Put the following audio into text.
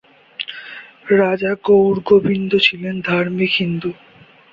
রাজা গৌর গোবিন্দ ছিলেন ধার্মিক হিন্দু।